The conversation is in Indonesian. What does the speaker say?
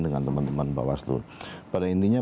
dengan teman teman bawaslu pada intinya